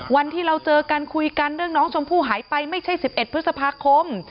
วันที่เราเจอกันคุยกันเรื่องน้องชมพู่หายไปไม่ใช่๑๑พฤษภาคม